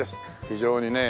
非常にね